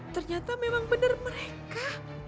ternyata memang benar mereka